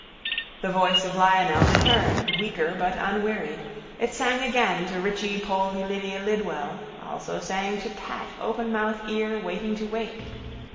The voice of Lionel returned, weaker but unwearied. It sang again to Richie Poldy Lydia Lidwell also sang to Pat open mouth ear waiting to wait.